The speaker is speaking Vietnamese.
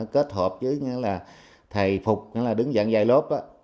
kết hợp với thầy phục đứng dẫn dạy lớp